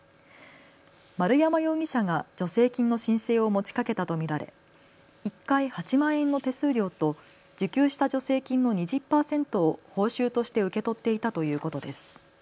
丸山容疑者が助成金の申請を持ちかけたと見られ１回８万円の手数料と受給した助成金の２０％を報酬として受け取っていたということです。